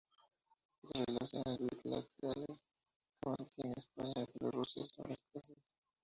Las relaciones bilaterales que mantienen España y Bielorrusia son escasas.